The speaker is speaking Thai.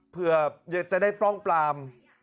เพื่อจะได้ปล้องปลาม